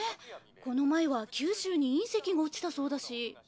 この前は九州に隕石が落ちたそうだし。